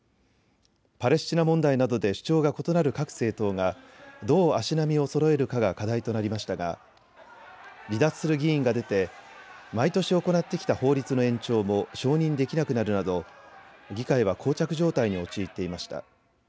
パレスチナ問題などで主張が異なる各政党がどう足並みをそろえるかが課題となりましたが離脱する議員が出て毎年行ってきた法律の延長も承認できなくなるなど議会はこう着状態に陥っていました。